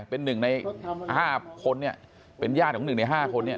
เป็นหนึ่งในห้าคนเนี่ยเป็นญาติของหนึ่งในห้าคนเนี่ย